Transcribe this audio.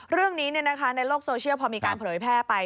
เรื่องนี้ในโลกโซเชียลพอมีการเผยแพร่ไป